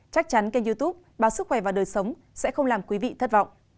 chắc chắn kênh youtube báo sức khỏe và đời sống sẽ không làm quý vị thất vọng